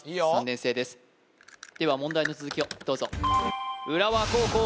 ３年生ですでは問題の続きをどうぞ浦和高校